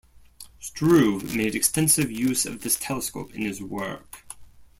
Struve made extensive use of this telescope in his work.